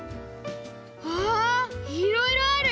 わあいろいろある！